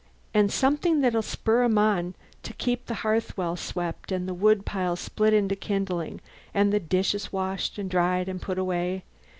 And something that'll spur 'em on to keep the hearth well swept and the wood pile split into kindling and the dishes washed and dried and put away.